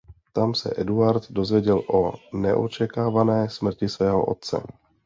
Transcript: Tam se Eduard dozvěděl o neočekávané smrti svého otce.